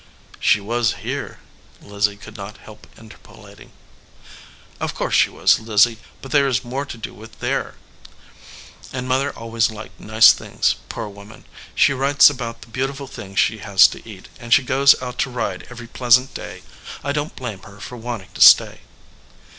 "She was here," Lizzie could not help inter polating. "Of course she was, Lizzie, but there is more to do with there. And Mother always liked nice things, poor woman! She writes about the beau tiful things she has to eat, and she goes out to ride every pleasant day. I don t blame her for wanting to stay."